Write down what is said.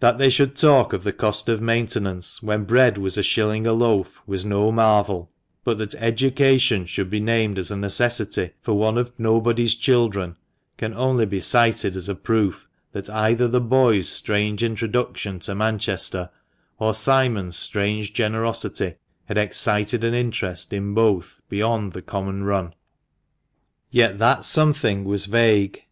That they should talk of the cost of maintenance when bread was a shilling a loaf, was no marvel; but that "education" should be named as a necessity for one of " nobody's children," can only be cited as a proof that either the boy's strange introduction to Manchester, or Simon's strange generosity, had excited an interest in both beyond the common run. 58 THE MANCHESTER MAN. Yet that something was vague.